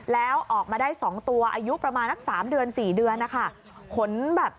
แล้วออกมาได้๒ตัวอายุประมาณสัก๓เดือน๔เดือนนะคะ